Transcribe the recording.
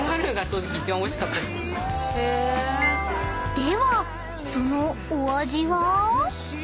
［ではそのお味は？］